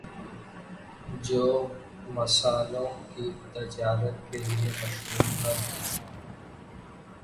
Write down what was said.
جو مسالوں کی تجارت کے لیے مشہور تھا